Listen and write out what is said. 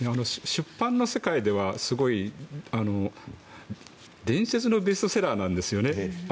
出版の世界ではすごい伝説のベストセラーなんですよね。